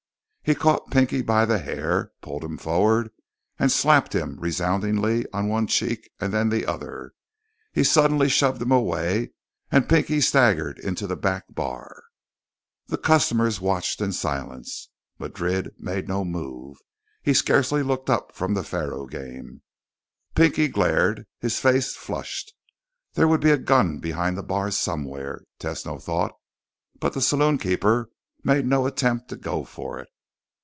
He caught Pinky by the hair, pulled him forward, and slapped him resoundingly on one cheek and then the other. He suddenly shoved him away and Pinky staggered into the back bar. The customers watched in silence. Madrid made no move; he scarcely looked up from the faro game. Pinky glared, his face flushed. There would be a gun behind the bar somewhere, Tesno thought. But the saloonkeeper made no attempt to go for it.